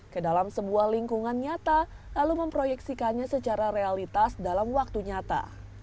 ke dalam sebuah lingkungan nyata lalu memproyeksikannya secara realitas dalam waktu nyata